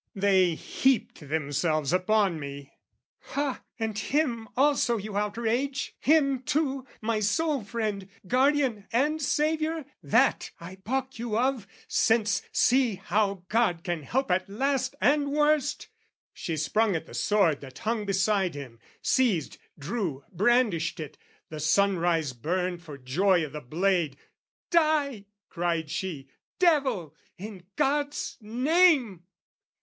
They heaped themselves upon me. "Ha! and him "Also you outrage? Him, too, my sole friend, "Guardian, and saviour? That I baulk you of, "Since see how God can help at last and worst!" She sprung at the sword that hung beside him, seized, Drew, brandished it, the sunrise burned for joy O' the blade, "Die," cried she, "devil, in God's name!"